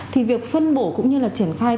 thì việc phân bổ cũng như là triển khai